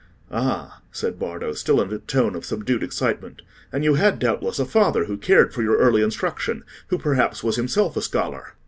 "Ah," said Bardo, still in a tone of subdued excitement, "and you had, doubtless, a father who cared for your early instruction—who, perhaps, was himself a scholar?"